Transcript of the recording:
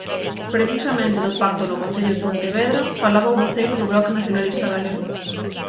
Precisamente do pacto no concello de Pontevedra, falaba a voceiro do Bloque Nacionalista Galego.